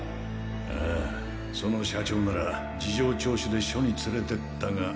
ああその社長なら事情聴取で署に連れてったが。